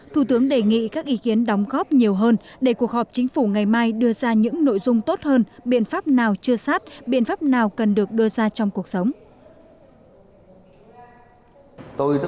thủ tướng đề nghị các ý kiến đóng góp nhiều hơn để cuộc họp chính phủ ngày mai đưa ra những nội dung tốt hơn biện pháp nào chưa sát biện pháp nào cần được đưa ra trong cuộc sống